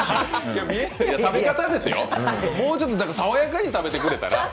食べ方ですよ、もうちょっと爽やかに食べてくれたら。